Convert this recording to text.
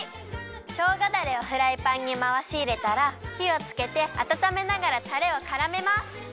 しょうがだれをフライパンにまわしいれたらひをつけてあたためながらたれをからめます！